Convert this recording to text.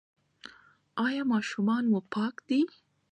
ایا ماشومان مو پاک دي؟